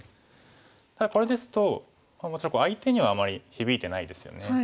ただこれですともちろん相手にはあまり響いてないですよね。